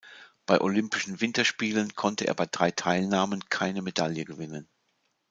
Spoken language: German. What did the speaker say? Bei Olympischen Winterspielen konnte er bei drei Teilnahmen keine Medaille gewinnen.